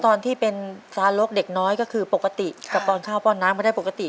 ตอนที่เป็นทารกเด็กน้อยก็คือปกติกับป้อนข้าวป้อนน้ำไม่ได้ปกติ